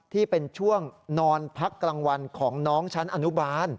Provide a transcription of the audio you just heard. ที่เป็นช่วงนอนพักกลางวันของน้องชั้นอนุบาล